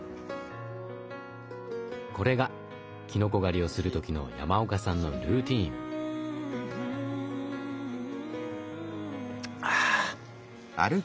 これがきのこ狩りをする時の山岡さんのルーティーン。ああ。